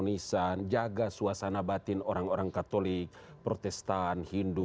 yang menurut saya itu adalah menjaga keharmonisan jaga suasana batin orang orang katolik protestan hindu